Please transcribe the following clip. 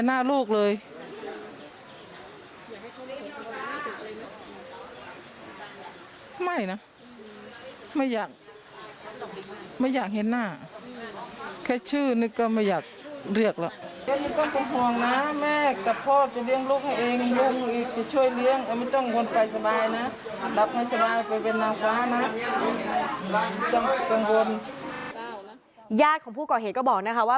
ญาติว่าัดมาแล้วอยากถูกเก็บยาของผู้เกาะเห็จก็บอกนะคะ